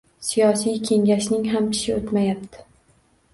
Siyosiy kengashning ham tishi o‘tmayapti